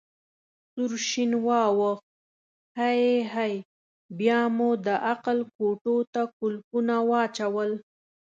سور شین واوښت: هی هی، بیا مو د عقل کوټو ته کولپونه واچول.